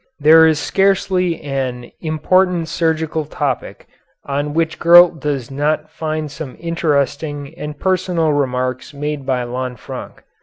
There is scarcely an important surgical topic on which Gurlt does not find some interesting and personal remarks made by Lanfranc.